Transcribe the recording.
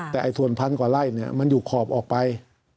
แต่ไอ้ส่วนพันธุ์กว่าไล่นี่มันอยู่ขอบออกไป